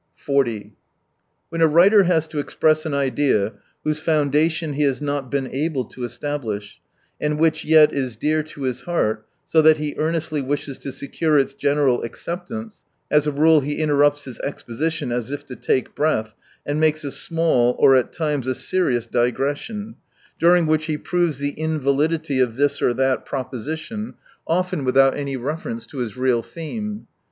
4° When a writer has to express an idea whose foundation he has not been able to establish, and which yet is dear to his heart,^ so that he earnestly wishes to secure its general acceptance, as a rule he interrupts his exposition, as if to take breath, and makes a small, or at times a serious digression, during which he proves the invalidity of this or that proposition, often without 59 any reference to his real theme.